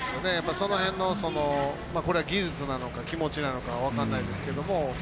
その辺の、これは技術なのか気持ちなのかは分からないですけど。